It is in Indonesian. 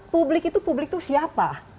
publik itu publik itu siapa